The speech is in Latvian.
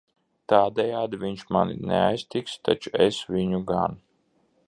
Tādejādi viņš mani neaiztiks, taču es viņu gan.